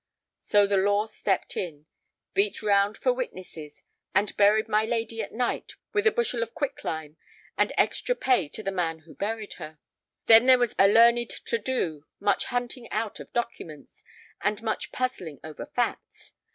So the Law stepped in, beat round for witnesses, and buried my lady at night with a bushel of quick lime and extra pay to the man who buried her. Then there was a learned to do, much hunting out of documents, and much puzzling over facts.